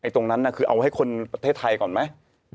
ตรงนั้นคือเอาให้คนประเทศไทยก่อนไหม